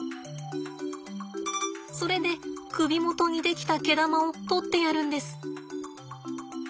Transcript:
それで首元に出来た毛玉を取ってやるんです。